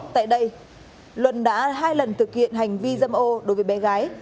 tại đây luân đã hai lần thực hiện hành vi giam mộ đối với bé gái